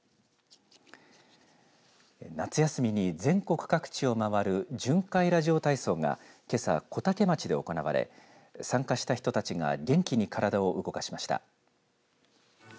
夏休みに全国各地を回る巡回ラジオ体操がけさ小竹町で行われ参加した人たちが元気に体を動かしました。